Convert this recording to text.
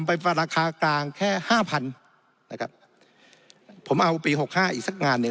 ไปราคากลางแค่๕๐๐๐คนครับผมเอาปี๖๕อีกสักงานหนึ่ง